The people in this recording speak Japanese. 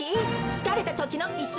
つかれたときのいす。